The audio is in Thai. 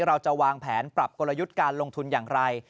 เราจะวางแผนปรับกลยุทธ์การลงทุนอย่างไร